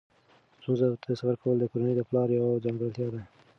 ستونزو ته صبر کول د کورنۍ د پلار یوه ځانګړتیا ده.